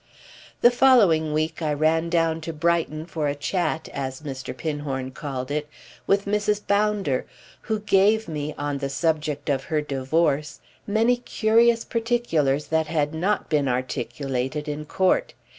The following week I ran down to Brighton for a chat, as Mr. Pinhorn called it, with Mrs. Bounder, who gave me, on the subject of her divorce, many curious particulars that had not been articulated in court.